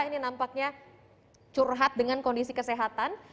ini nampaknya curhat dengan kondisi kesehatan